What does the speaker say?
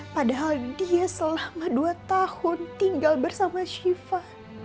padahal dia selama dua tahun tinggal bersama shiva